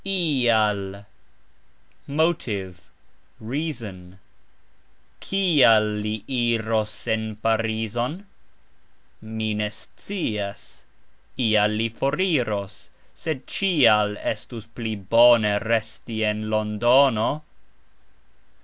"ial", motive, reason. "Kial" li iros en Parizon? Mi ne scias; "ial" li foriros, sed "cxial" estus pli bone resti en Londono.